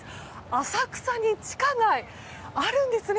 浅草に地下街あるんですね！